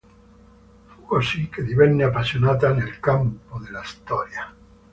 Fu così che divenne appassionata nel campo della storia.